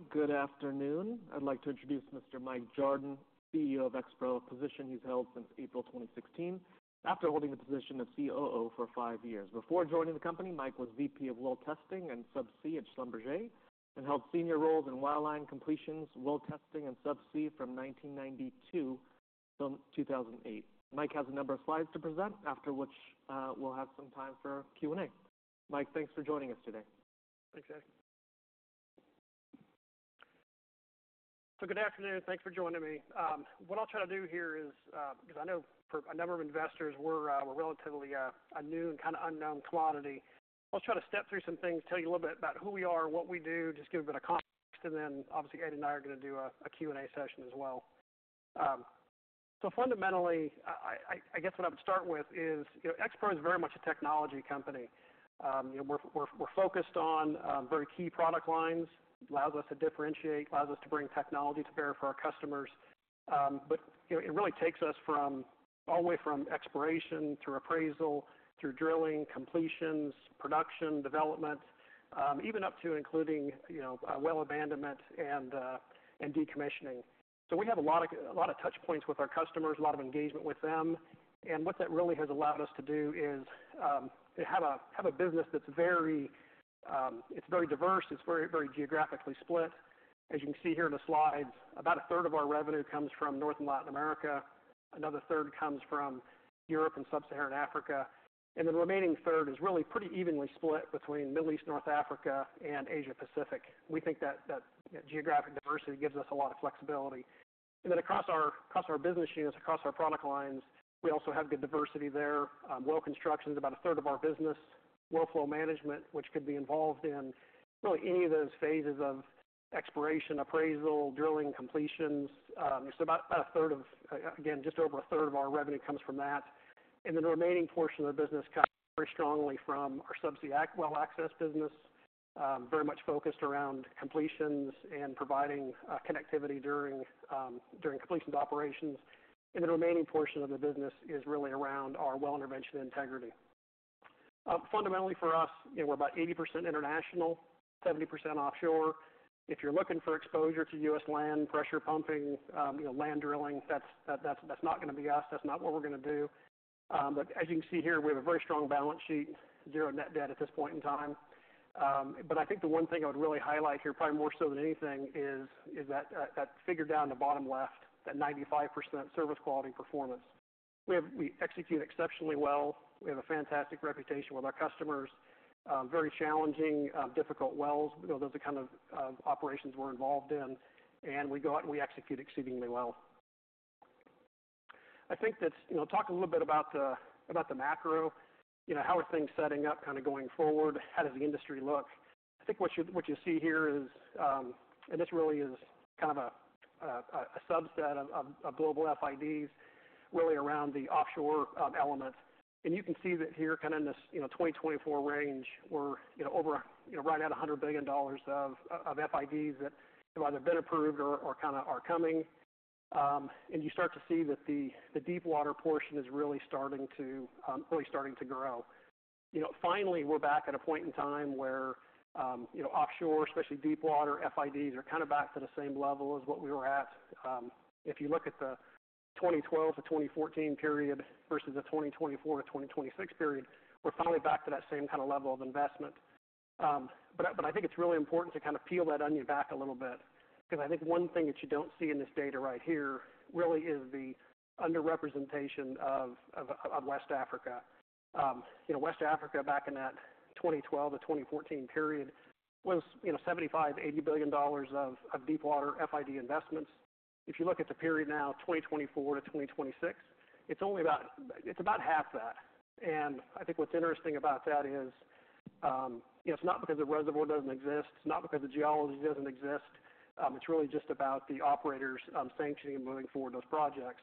All right, good afternoon. I'd like to introduce Mr. Mike Jardon, CEO of Expro, a position he's held since April 2016, after holding the position of COO for five years. Before joining the company, Mike was VP of Well Testing and Subsea at Schlumberger, and held senior roles in Wireline Completions, Well Testing, and Subsea from 1992 till 2008. Mike has a number of slides to present, after which, we'll have some time for Q&A. Mike, thanks for joining us today. Thanks, Ed. So good afternoon, and thanks for joining me. What I'll try to do here is, 'cause I know for a number of investors, we're relatively a new and kinda unknown commodity. I'll try to step through some things, tell you a little bit about who we are, what we do, just give a bit of context, and then obviously, Ed and I are gonna do a Q&A session as well. So fundamentally, I guess what I would start with is, you know, Expro is very much a technology company. You know, we're focused on very key product lines, allows us to differentiate, allows us to bring technology to bear for our customers. But, you know, it really takes us from all the way from exploration through appraisal, through drilling, completions, production, development, even up to including, you know, well abandonment and decommissioning. So we have a lot of touch points with our customers, a lot of engagement with them. And what that really has allowed us to do is, to have a business that's very, It's very diverse, it's very, very geographically split. As you can see here in the slides, about a third of our revenue comes from North and Latin America, another third comes from Europe and Sub-Saharan Africa, and the remaining third is really pretty evenly split between Middle East, North Africa, and Asia Pacific. We think that geographic diversity gives us a lot of flexibility. And then across our business units, across our product lines, we also have good diversity there. Well construction is about a third of our business. Well flow management, which could be involved in really any of those phases of exploration, appraisal, drilling, completions, so about a third of, again, just over a third of our revenue comes from that. And the remaining portion of the business comes very strongly from our subsea well access business, very much focused around completions and providing connectivity during completions operations. And the remaining portion of the business is really around our well intervention integrity. Fundamentally for us, you know, we're about 80% international, 70% offshore. If you're looking for exposure to U.S. land, pressure pumping, you know, land drilling, that's not gonna be us. That's not what we're gonna do. But as you can see here, we have a very strong balance sheet, zero net debt at this point in time. But I think the one thing I would really highlight here, probably more so than anything, is that figure down in the bottom left, that 95% service quality performance. We have, we execute exceptionally well. We have a fantastic reputation with our customers, very challenging, difficult wells. You know, those are the kind of operations we're involved in, and we go out and we execute exceedingly well. I think that's... You know, talk a little bit about the macro. You know, how are things setting up kinda going forward? How does the industry look? I think what you see here is, and this really is kind of a subset of global final investment decisions, really around the offshore element. And you can see that here, kinda in this 2024 range, we're, you know, over, you know, right at $100 billion of FIDs that have either been approved or kinda are coming. And you start to see that the deepwater portion is really starting to grow. You know, finally, we're back at a point in time where, you know, offshore, especially deepwater FIDs, are kinda back to the same level as what we were at. If you look at the 2012-2014 period versus the 2024-2026 period, we're finally back to that same kinda level of investment. But I think it's really important to kinda peel that onion back a little bit, because I think one thing that you don't see in this data right here really is the underrepresentation of West Africa. You know, West Africa, back in that 2012-2014 period, was, you know, $75-$80 billion of deepwater FID investments. If you look at the period now, 2024-2026, it's only about half that. And I think what's interesting about that is, it's not because the reservoir doesn't exist, it's not because the geology doesn't exist, it's really just about the operators sanctioning and moving forward those projects.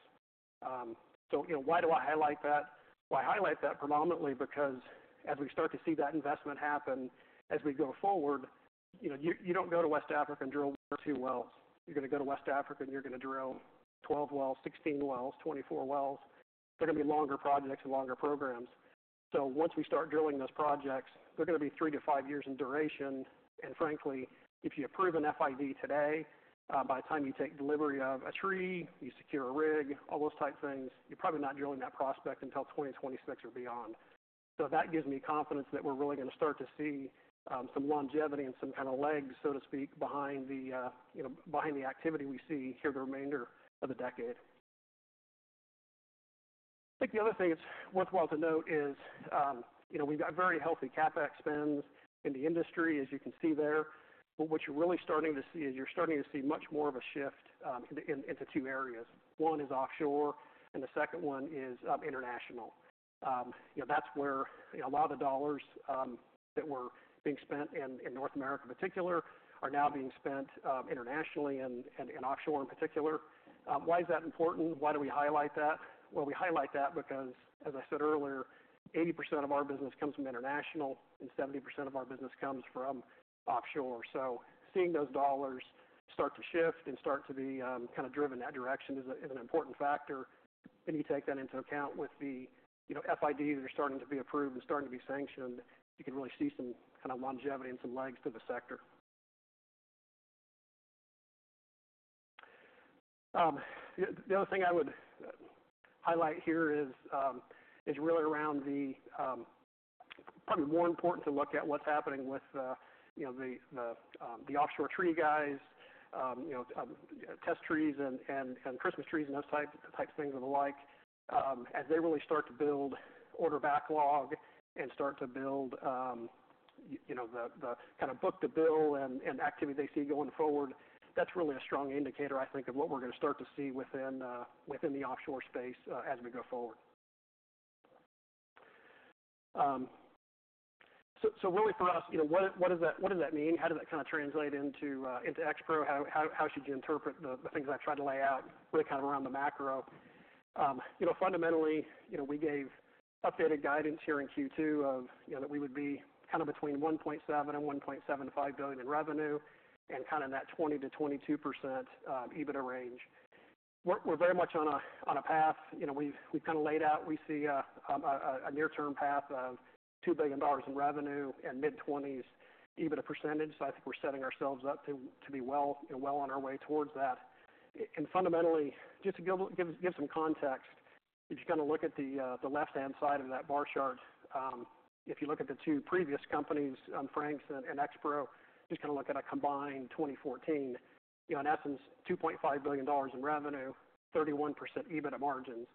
So, you know, why do I highlight that? I highlight that predominantly because as we start to see that investment happen, as we go forward, you know, you don't go to West Africa and drill two wells. You're gonna go to West Africa, and you're gonna drill 12 wells, 16 wells, 24 wells. They're gonna be longer projects and longer programs. So once we start drilling those projects, they're gonna be three to five years in duration, and frankly, if you approve an FID today, by the time you take delivery of a tree, you secure a rig, all those type things, you're probably not drilling that prospect until 2026 or beyond. So that gives me confidence that we're really gonna start to see some longevity and some kinda legs, so to speak, behind the, you know, behind the activity we see here the remainder of the decade. I think the other thing that's worthwhile to note is, you know, we've got very healthy CapEx spends in the industry, as you can see there. But what you're really starting to see is much more of a shift into two areas. One is offshore, and the second one is international. You know, that's where, you know, a lot of the dollars that were being spent in North America in particular are now being spent internationally and in offshore in particular. Why is that important? Why do we highlight that? Well, we highlight that because, as I said earlier, 80% of our business comes from international, and 70% of our business comes from offshore. So seeing those dollars start to shift and start to be kinda driven in that direction is an important factor, and you take that into account with the, you know, FIDs that are starting to be approved and starting to be sanctioned. You can really see some kind of longevity and some legs to the sector. The other thing I would highlight here is really around, probably more important to look at what's happening with the, you know, the offshore tree guys, you know, test trees and Christmas trees and those types of things and the like. As they really start to build order backlog and start to build, you know, the kind of book to bill and activity they see going forward, that's really a strong indicator, I think, of what we're gonna start to see within the offshore space as we go forward. So really for us, you know, what does that mean? How does that kinda translate into Expro? How should you interpret the things I've tried to lay out really kind of around the macro? Fundamentally, you know, we gave updated guidance here in Q2 of that we would be kind of between $1.7 billion and $1.75 billion in revenue, and kind of in that 20%-22% EBITDA range. We're very much on a path. You know, we've kind of laid out. We see a near-term path of $2 billion in revenue and mid-20s EBITDA percentage. So I think we're setting ourselves up to be well on our way towards that. And fundamentally, just to give some context, if you kinda look at the left-hand side of that bar chart, if you look at the two previous companies, Frank's and Expro, just kinda look at a combined 2014, you know, in essence, $2.5 billion in revenue, 31% EBITDA margins.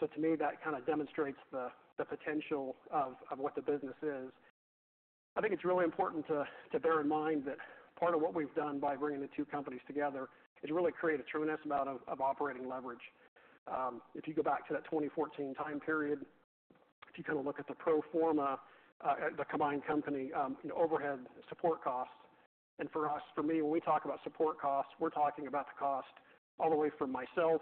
So to me, that kinda demonstrates the potential of what the business is. I think it's really important to bear in mind that part of what we've done by bringing the two companies together is really create a tremendous amount of operating leverage. If you go back to that 2014 time period, if you kinda look at the pro forma, the combined company, you know, overhead support costs, and for us, for me, when we talk about support costs, we're talking about the cost all the way from myself,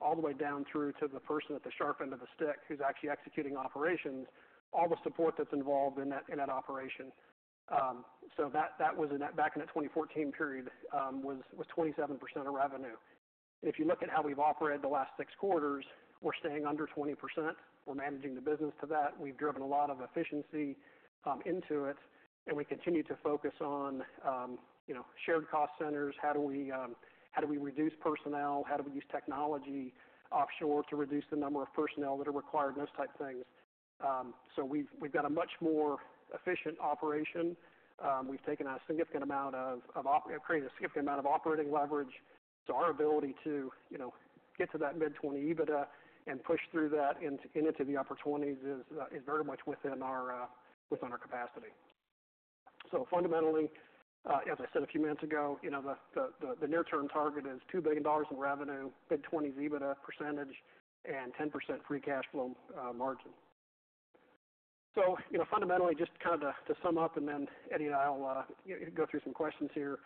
all the way down through to the person at the sharp end of the stick, who's actually executing operations, all the support that's involved in that, in that operation. So that was in that, back in 2014 period, was 27% of revenue. If you look at how we've operated the last six quarters, we're staying under 20%. We're managing the business to that. We've driven a lot of efficiency into it, and we continue to focus on, you know, shared cost centers. How do we reduce personnel? How do we use technology offshore to reduce the number of personnel that are required, and those type things. So we've got a much more efficient operation. We've created a significant amount of operating leverage. So our ability to, you know, get to that mid-20s EBITDA and push through that into the upper 20s is very much within our capacity. So fundamentally, as I said a few minutes ago, you know, the near-term target is $2 billion in revenue, mid-20s EBITDA percentage, and 10% free cash flow margin. So, you know, fundamentally, just kind of to sum up, and then Eddie and I'll go through some questions here.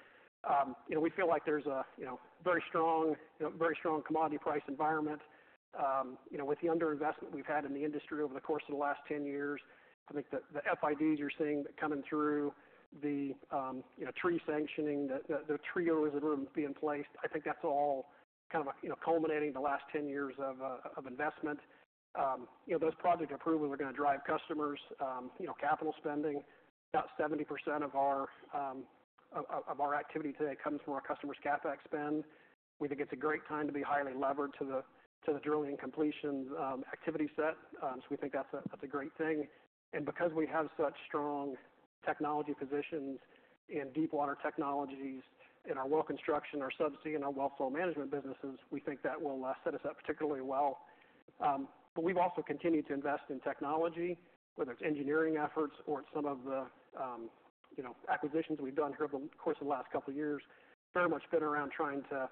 You know, we feel like there's a you know, very strong, you know, very strong commodity price environment. You know, with the underinvestment we've had in the industry over the course of the last 10 years, I think the FIDs you're seeing coming through, the you know, tree sanctioning, the trees are being placed. I think that's all kind of you know, culminating in the last 10 years of investment. You know, those project approvals are gonna drive customers you know, capital spending. About 70% of our activity today comes from our customers' CapEx spend. We think it's a great time to be highly levered to the drilling and completions activity set, so we think that's a great thing. Because we have such strong technology positions in deepwater technologies, in our well construction, our subsea, and our well flow management businesses, we think that will set us up particularly well, but we've also continued to invest in technology, whether it's engineering efforts or some of the, you know, acquisitions we've done here over the course of the last couple of years. Very much been around trying to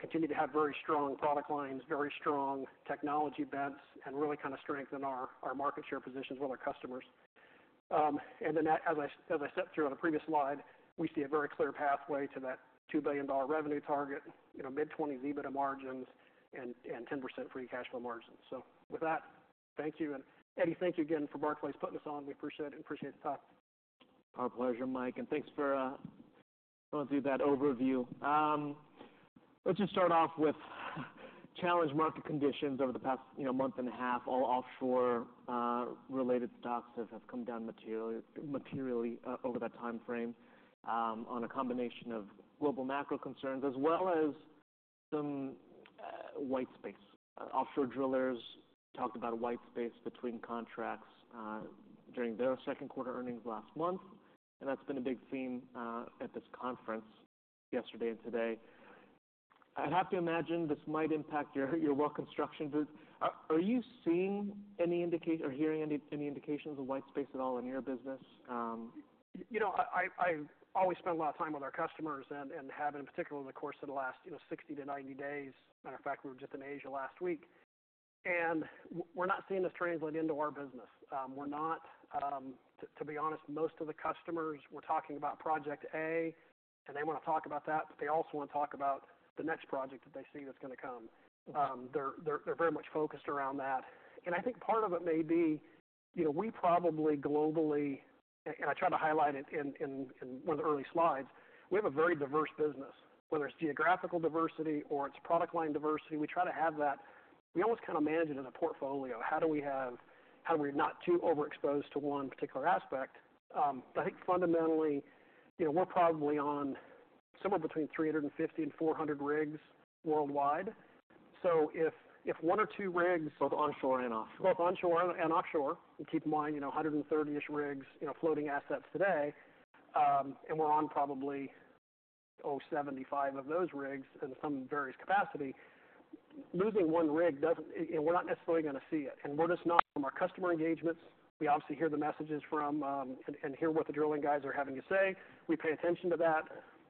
continue to have very strong product lines, very strong technology bets, and really kinda strengthen our market share positions with our customers. And then as I stepped through on the previous slide, we see a very clear pathway to that $2 billion revenue target, you know, mid-20s EBITDA margins and 10% free cash flow margins. So with that, thank you. And Eddie, thank you again for Barclays putting us on. We appreciate it. Appreciate the time. Our pleasure, Mike, and thanks for going through that overview. Let's just start off with challenged market conditions over the past, you know, month and a half. All offshore related stocks have come down materially over that timeframe on a combination of global macro concerns as well as some white space. Offshore drillers talked about a white space between contracts during their second quarter earnings last month, and that's been a big theme at this conference yesterday and today. I'd have to imagine this might impact your well construction group. Are you seeing any indication or hearing any indications of white space at all in your business? You know, I always spend a lot of time with our customers and have, in particular, in the course of the last, you know, 60-90 days. Matter of fact, we were just in Asia last week, and we're not seeing this translate into our business. We're not... To be honest, most of the customers, we're talking about project A, and they wanna talk about that, but they also wanna talk about the next project that they see that's gonna come. They're very much focused around that, and I think part of it may be, you know, we probably globally, and I tried to highlight it in one of the early slides, we have a very diverse business, whether it's geographical diversity or it's product line diversity, we try to have that. We almost kind of manage it as a portfolio. How are we not too overexposed to one particular aspect? But I think fundamentally, you know, we're probably on somewhere between three hundred and fifty and four hundred rigs worldwide. So if one or two rigs Both onshore and offshore. Both onshore and offshore, and keep in mind, you know, a hundred and thirty-ish rigs, you know, floating assets today, and we're on probably, oh, 75 of those rigs in some various capacity. Losing one rig doesn't. You know, we're not necessarily gonna see it, and we're just not, from our customer engagements, we obviously hear the messages from, and hear what the drilling guys are having to say. We pay attention to that.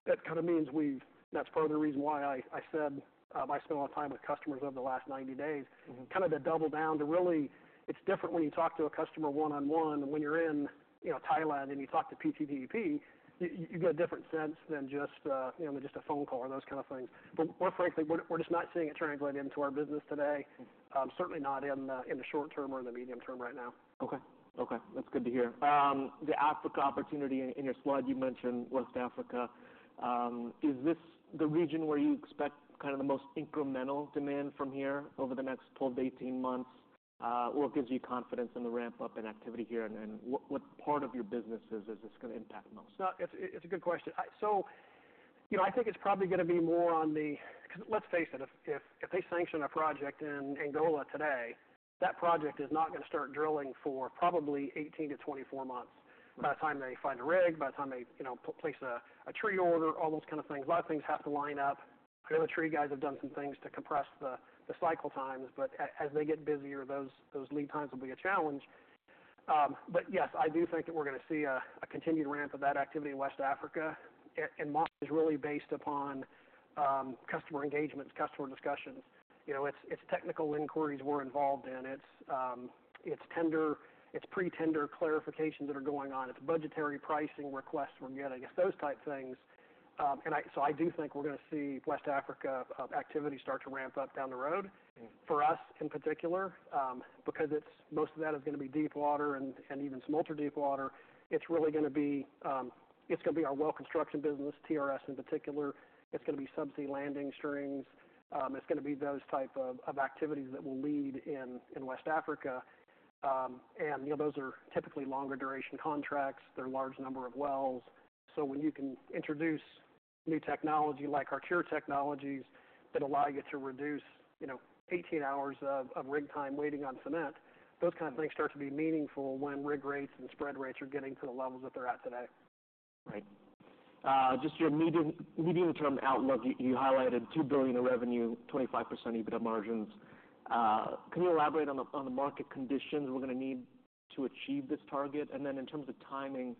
That kind of means we've. That's part of the reason why I said, I spent a lot of time with customers over the last 90 days. Mm-hmm. Kind of to double down to really... It's different when you talk to a customer one-on-one, and when you're in, you know, Thailand, and you talk to PTTEP, you get a different sense than just, you know, than just a phone call or those kind of things. But more frankly, we're just not seeing it translating into our business today, certainly not in the short term or in the medium term right now. Okay. Okay, that's good to hear. The Africa opportunity in your slide, you mentioned West Africa. Is this the region where you expect kind of the most incremental demand from here over the next 12-18 months? What gives you confidence in the ramp-up in activity here? And then, what part of your businesses is this gonna impact the most? No, it's a good question. So, you know, I think it's probably gonna be more on the-- 'cause let's face it, if they sanction a project in Angola today, that project is not gonna start drilling for probably 18-24 months. Mm-hmm. By the time they find a rig, by the time they, you know, place a tree order, all those kind of things, a lot of things have to line up. I know the tree guys have done some things to compress the cycle times, but as they get busier, those lead times will be a challenge. But yes, I do think that we're gonna see a continued ramp of that activity in West Africa, and much is really based upon customer engagements, customer discussions. You know, it's technical inquiries we're involved in. It's tender, it's pre-tender clarifications that are going on. It's budgetary pricing requests we're getting, it's those type things. So I do think we're gonna see West Africa activity start to ramp up down the road. Mm-hmm. For us, in particular, because it's, most of that is gonna be deepwater and even some ultra-deepwater, it's really gonna be, it's gonna be our well construction business, TRS in particular. It's gonna be subsea landing strings. It's gonna be those type of activities that will lead in West Africa. And, you know, those are typically longer duration contracts. They're large number of wells. So when you can introduce new technology like our Cure technologies, that allow you to reduce, you know, 18 hours of rig time waiting on cement, those kind of things start to be meaningful when rig rates and spread rates are getting to the levels that they're at today. Right. Just your medium-term outlook, you highlighted $2 billion in revenue, 25% EBITDA margins. Can you elaborate on the market conditions we're gonna need to achieve this target? And then in terms of timing,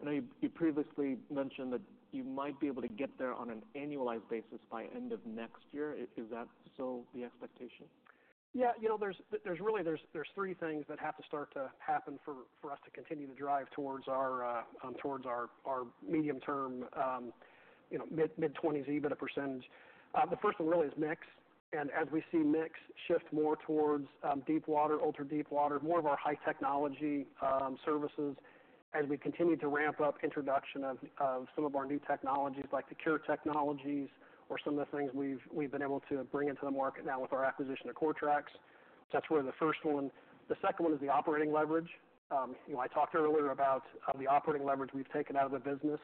I know you previously mentioned that you might be able to get there on an annualized basis by end of next year. Is that still the expectation? Yeah. You know, there's really three things that have to start to happen for us to continue to drive towards our medium term, you know, mid-20s EBITDA percent. The first one really is mix, and as we see mix shift more towards deep water, ultra deep water, more of our high technology services, as we continue to ramp up introduction of some of our new technologies, like the Cure technologies or some of the things we've been able to bring into the market now with our acquisition of Coretrax, that's where the first one. The second one is the operating leverage. You know, I talked earlier about the operating leverage we've taken out of the business,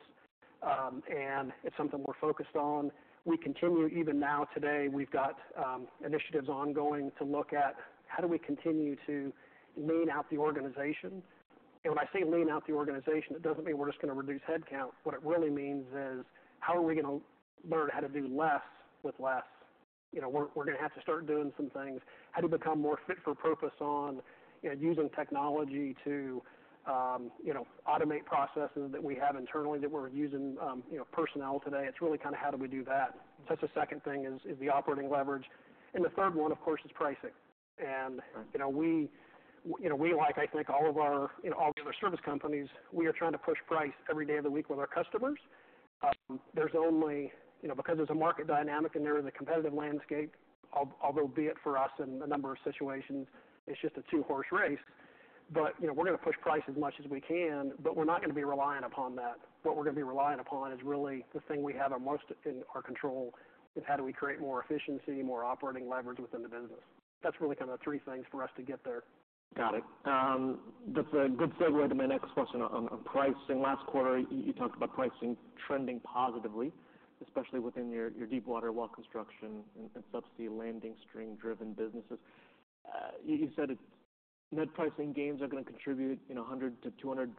and it's something we're focused on. We continue, even now, today, we've got initiatives ongoing to look at how do we continue to lean out the organization? And when I say lean out the organization, it doesn't mean we're just gonna reduce headcount. What it really means is, how are we gonna learn how to do less with less? You know, we're gonna have to start doing some things. How do we become more fit for purpose on, you know, using technology to, you know, automate processes that we have internally that we're using, you know, personnel today? It's really kind of how do we do that. That's the second thing is the operating leverage, and the third one, of course, is pricing. Right. And, you know, we, you know, we like, I think all of our, you know, all the other service companies, we are trying to push price every day of the week with our customers. There's only... You know, because there's a market dynamic, and there is a competitive landscape, although, be it for us in a number of situations, it's just a two-horse race. But, you know, we're gonna push price as much as we can, but we're not gonna be reliant upon that. What we're gonna be reliant upon is really the thing we have at most in our control, is how do we create more efficiency, more operating leverage within the business? That's really kind of the three things for us to get there. Got it. That's a good segue to my next question on pricing. Last quarter, you talked about pricing trending positively, especially within your deepwater well construction and subsea landing string-driven businesses. You said net pricing gains are gonna contribute, you know, 100-200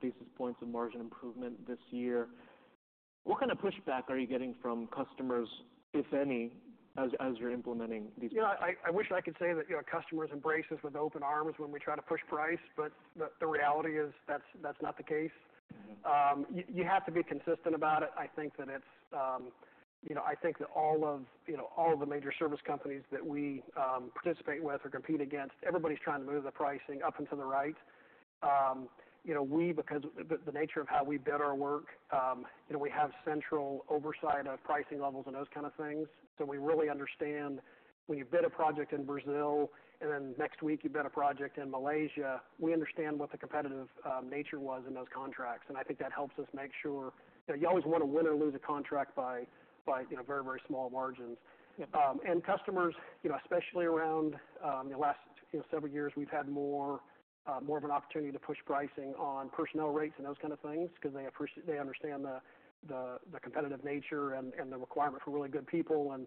basis points of margin improvement this year. What kind of pushback are you getting from customers, if any, as you're implementing these? You know, I wish I could say that, you know, customers embrace us with open arms when we try to push price, but the reality is, that's not the case. Mm-hmm. You have to be consistent about it. I think that it's, you know, I think that all of the major service companies that we participate with or compete against. Everybody's trying to move the pricing up and to the right. You know, because the nature of how we bid our work, you know, we have central oversight of pricing levels and those kind of things, so we really understand when you bid a project in Brazil, and then next week, you bid a project in Malaysia. We understand what the competitive nature was in those contracts, and I think that helps us make sure. You know, you always want to win or lose a contract by, you know, very, very small margins. And customers, you know, especially around the last, you know, several years, we've had more, more of an opportunity to push pricing on personnel rates and those kind of things, 'cause they understand the competitive nature and the requirement for really good people. And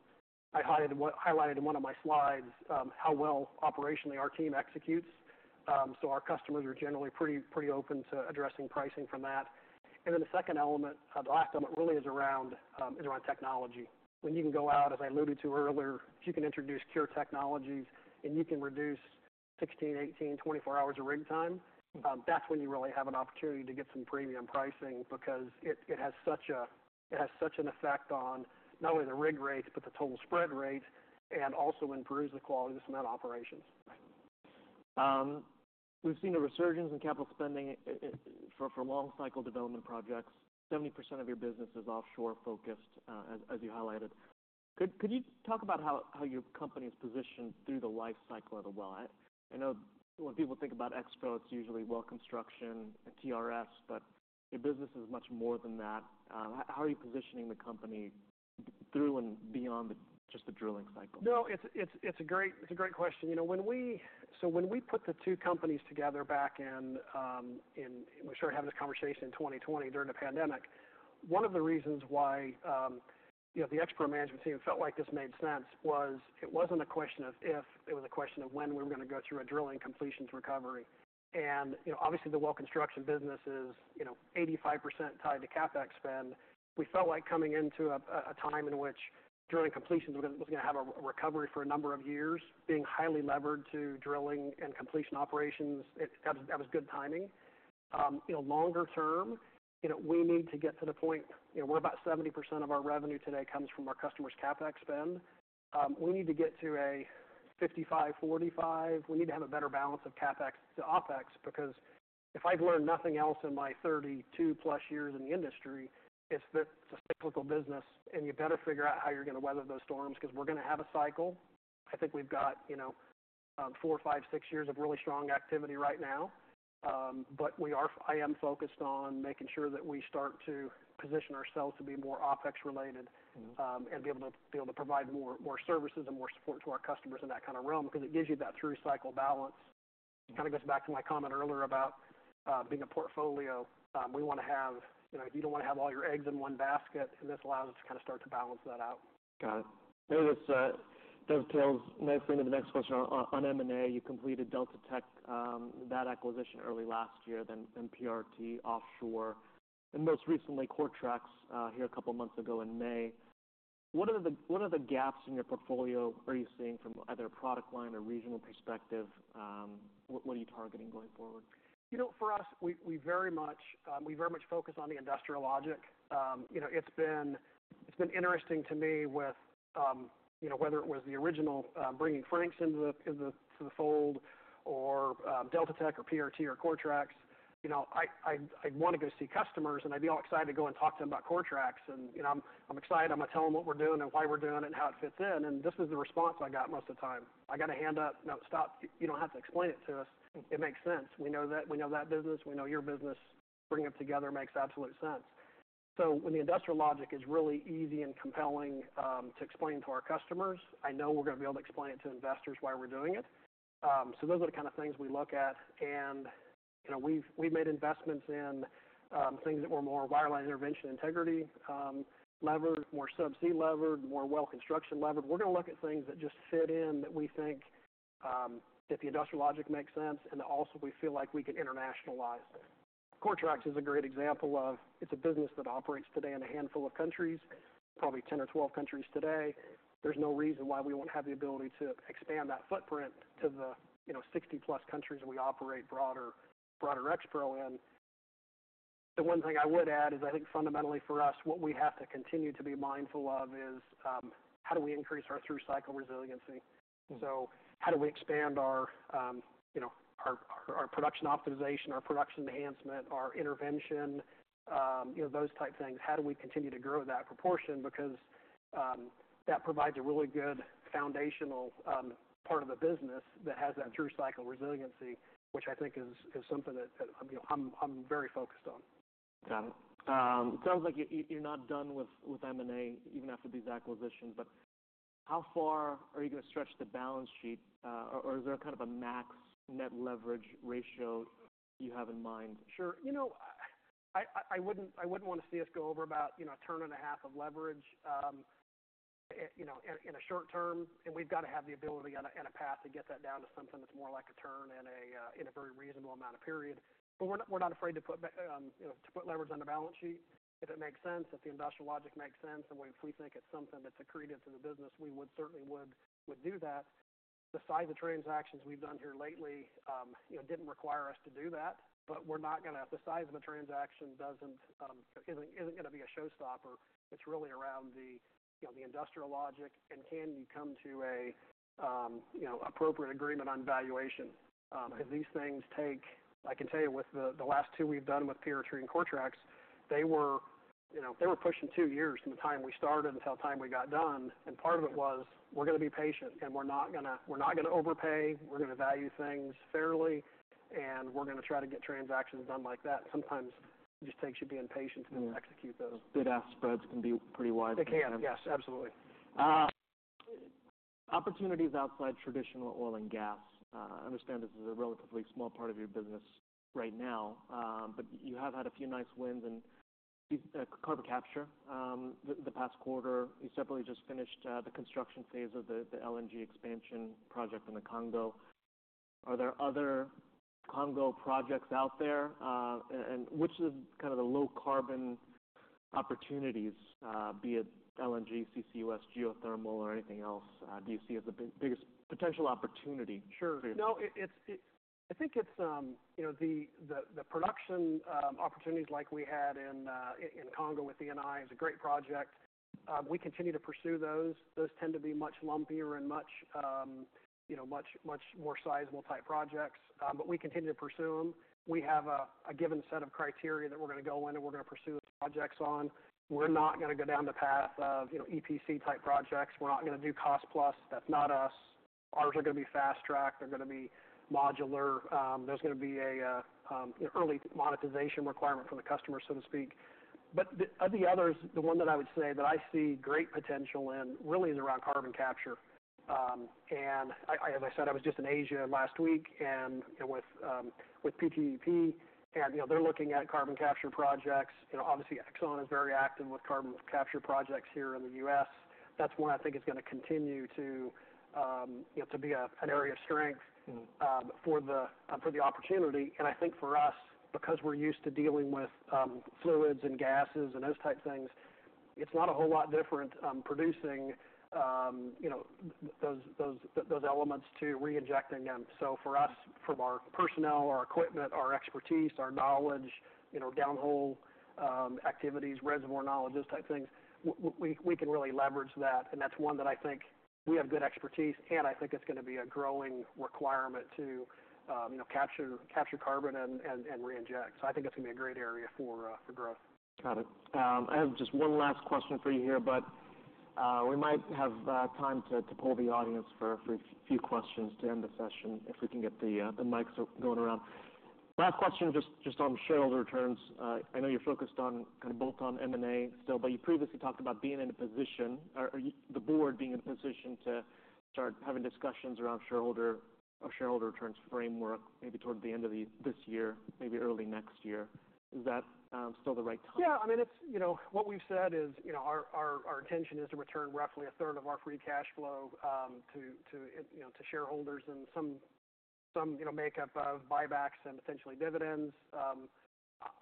I highlighted in one of my slides how well operationally our team executes. So our customers are generally pretty open to addressing pricing from that. And then the second element, the last element really is around technology. When you can go out, as I alluded to earlier, if you can introduce Cure technologies, and you can reduce sixteen, eighteen, twenty-four hours of rig time, that's when you really have an opportunity to get some premium pricing, because it has such an effect on not only the rig rate, but the total spread rate, and also improves the quality of the cement operations. Right. We've seen a resurgence in capital spending for long cycle development projects. 70% of your business is offshore focused, as you highlighted. Could you talk about how your company is positioned through the life cycle of a well? I know when people think about Expro, it's usually well construction and TRS, but your business is much more than that. How are you positioning the company through and beyond just the drilling cycle? No, it's a great question. You know, when we put the two companies together back in. We started having this conversation in 2020, during the pandemic. One of the reasons why, you know, the Expro management team felt like this made sense was it wasn't a question of if. It was a question of when we were gonna go through a drilling completions recovery. You know, obviously, the well construction business is, you know, 85% tied to CapEx spend. We felt like coming into a time in which drilling completions was gonna have a recovery for a number of years, being highly levered to drilling and completion operations. That was good timing. You know, longer term, you know, we need to get to the point, you know, where about 70% of our revenue today comes from our customers' CapEx spend. We need to get to a 55-45. We need to have a better balance of CapEx to OpEx, because if I've learned nothing else in my 32+ years in the industry, it's that it's a cyclical business, and you better figure out how you're gonna weather those storms, 'cause we're gonna have a cycle. I think we've got, you know, four to six years of really strong activity right now. But we are, I am focused on making sure that we start to position ourselves to be more OpEx related- Mm-hmm. and be able to provide more services and more support to our customers in that kind of realm, because it gives you that through-cycle balance. It kind of goes back to my comment earlier about being a portfolio. We wanna have, you know, you don't wanna have all your eggs in one basket, and this allows us to kind of start to balance that out. Got it. Let's bring to the next question on M&A. You completed DeltaTek that acquisition early last year, then PRT Offshore, and most recently, Coretrax here a couple months ago in May. What are the gaps in your portfolio are you seeing from either a product line or regional perspective? What are you targeting going forward? You know, for us, we very much focus on the industrial logic. You know, it's been interesting to me with, you know, whether it was the original bringing Frank's into the fold, or DeltaTek or PRT or Coretrax. You know, I'd want to go see customers, and I'd be all excited to go and talk to them about Coretrax, and you know, I'm excited. I'm gonna tell them what we're doing and why we're doing it and how it fits in, and this is the response I got most of the time. I got a hand up, "No, stop. You don't have to explain it to us. It makes sense. We know that, we know that business. We know your business. Bringing them together makes absolute sense." So when the industrial logic is really easy and compelling to explain to our customers, I know we're gonna be able to explain it to investors why we're doing it. So those are the kind of things we look at, and, you know, we've made investments in things that were more wireline intervention, integrity, levered, more subsea levered, more well construction levered. We're gonna look at things that just fit in, that we think that the industrial logic makes sense, and also, we feel like we can internationalize it. Coretrax is a great example of; it's a business that operates today in a handful of countries, probably 10 or 12 countries today. There's no reason why we won't have the ability to expand that footprint to the, you know, 60+ countries that we operate broader Expro in. The one thing I would add is, I think fundamentally for us, what we have to continue to be mindful of is how do we increase our through-cycle resiliency? Mm-hmm. So how do we expand our, you know, our production optimization, our production enhancement, our intervention, you know, those type of things. How do we continue to grow that proportion? Because, that provides a really good foundational, part of the business that has that through-cycle resiliency, which I think is something that, you know, I'm very focused on. Got it. It sounds like you, you're not done with M&A, even after these acquisitions. But how far are you gonna stretch the balance sheet? Or is there kind of a max net leverage ratio you have in mind? Sure. You know, I wouldn't want to see us go over about, you know, a turn and a half of leverage, you know, in a short term. We've got to have the ability and a path to get that down to something that's more like a turn in a very reasonable amount of period. But we're not afraid to put leverage on the balance sheet if it makes sense, if the industrial logic makes sense, and if we think it's something that's accretive to the business, we would certainly do that. The size of transactions we've done here lately, you know, didn't require us to do that, but we're not gonna. The size of a transaction doesn't, isn't gonna be a showstopper. It's really around the, you know, the industrial logic, and can you come to a, you know, appropriate agreement on valuation? Because these things take, I can tell you with the last two we've done with PRT and Coretrax, they were. You know, they were pushing two years from the time we started until the time we got done, and part of it was, we're gonna be patient, and we're not gonna, we're not gonna overpay. We're gonna value things fairly, and we're gonna try to get transactions done like that. Sometimes it just takes you being patient to execute those. Bid-ask spreads can be pretty wide. They can, yes, absolutely. Opportunities outside traditional oil and gas. I understand this is a relatively small part of your business right now, but you have had a few nice wins in carbon capture. The past quarter, you separately just finished the construction phase of the LNG expansion project in the Congo. Are there other Congo projects out there, and which is kind of the low carbon opportunities, be it LNG, CCUS, geothermal, or anything else, do you see as the biggest potential opportunity? Sure. No, it's I think it's you know the production opportunities like we had in in Congo with Eni is a great project. We continue to pursue those. Those tend to be much lumpier and much you know much much more sizable type projects but we continue to pursue them. We have a given set of criteria that we're gonna go in and we're gonna pursue projects on. We're not gonna go down the path of you know EPC-type projects. We're not gonna do cost plus. That's not us. Ours are gonna be fast-tracked. They're gonna be modular. There's gonna be a early monetization requirement from the customer, so to speak. But of the others, the one that I would say that I see great potential in, really is around carbon capture. As I said, I was just in Asia last week, and you know, with PTTEP, and you know, they're looking at carbon capture projects. You know, obviously, Exxon is very active with carbon capture projects here in the U.S. That's one I think is gonna continue to you know, to be an area of strength- Mm. for the opportunity. And I think for us, because we're used to dealing with fluids and gases and those type things, it's not a whole lot different producing you know those elements to reinjecting them. So for us, from our personnel, our equipment, our expertise, our knowledge, you know, downhole activities, reservoir knowledge, those type things, we can really leverage that, and that's one that I think we have good expertise, and I think it's gonna be a growing requirement to you know capture carbon and reinject. So I think it's gonna be a great area for growth. Got it. I have just one last question for you here, but we might have time to poll the audience for a few questions to end the session if we can get the mics going around. Last question, just on shareholder returns. I know you're focused on kind of both on M&A still, but you previously talked about being in a position. The board being in a position to start having discussions around shareholder returns framework, maybe toward the end of this year, maybe early next year. Is that still the right time? Yeah, I mean, it's, you know, what we've said is, you know, our intention is to return roughly a third of our free cash flow to shareholders and some makeup of buybacks and potentially dividends.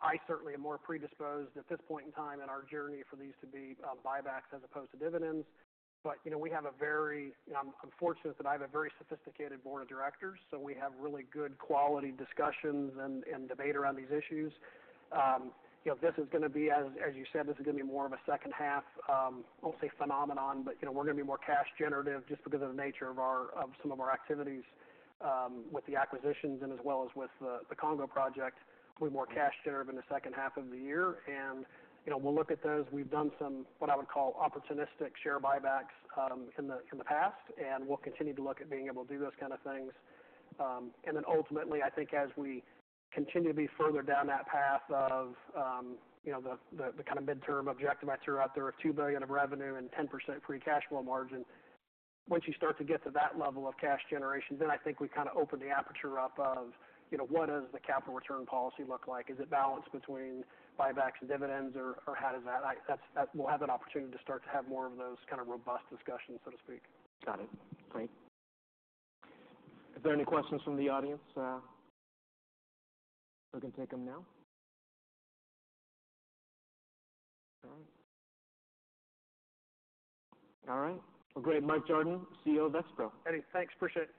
I certainly am more predisposed at this point in time in our journey for these to be buybacks as opposed to dividends. But, you know, we have a very, and I'm fortunate that I have a very sophisticated board of directors, so we have really good quality discussions and debate around these issues. You know, this is gonna be, as you said, this is gonna be more of a second half, I won't say phenomenon, but, you know, we're gonna be more cash generative just because of the nature of some of our activities, with the acquisitions and as well as with the Congo project. We're more cash generative in the second half of the year, and, you know, we'll look at those. We've done some, what I would call, opportunistic share buybacks, in the past, and we'll continue to look at being able to do those kind of things. Then ultimately, I think as we continue to be further down that path of, you know, the kind of midterm objective I threw out there of two billion of revenue and 10% free cash flow margin, once you start to get to that level of cash generation, then I think we kind of open the aperture up of, you know, what does the capital return policy look like? Is it balanced between buybacks and dividends, or how does that... That's, we'll have an opportunity to start to have more of those kind of robust discussions, so to speak. Got it. Great. Are there any questions from the audience? We can take them now. All right. All right. Well, great, Mike Jardon, CEO of Expro. Eddie, thanks. Appreciate it.